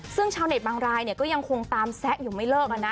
ซึ่งชาวเน็ตบางรายเนี่ยก็ยังคงตามแซะอยู่ไม่เลิก